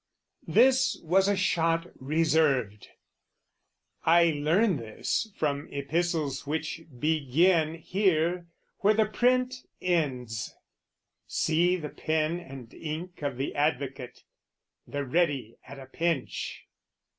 this was a shot reserved; I learn this from epistles which begin Here where the print ends, see the pen and ink Of the advocate, the ready at a pinch!